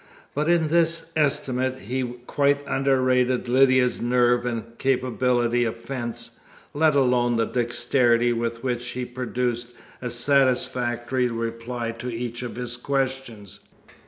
But in this estimate he quite underrated Lydia's nerve and capability of fence, let alone the dexterity with which she produced a satisfactory reply to each of his questions.